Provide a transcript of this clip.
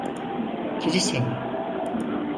Kiliseye…